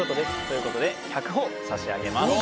ということで１００ほぉ差し上げます。